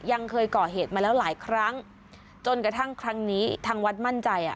ยังเคยก่อเหตุมาแล้วหลายครั้งจนกระทั่งครั้งนี้ทางวัดมั่นใจอ่ะ